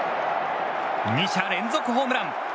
２者連続ホームラン！